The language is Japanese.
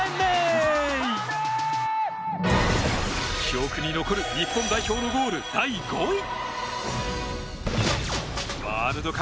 記憶に残る日本代表のゴール第５位。